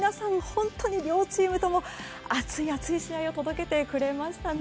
本当に両チームとも熱い熱い試合を届けてくれましたね。